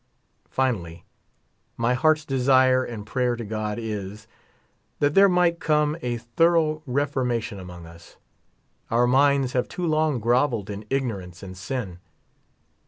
Finally, my heart's desire and prayer to God is, that there might come a thorough reformation among us. Our minds have too long grovelled in ignorance and sin.